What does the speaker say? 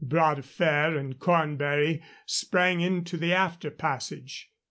Bras de Fer and Cornbury sprang into the after passage.